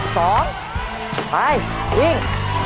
สองไปวิ่ง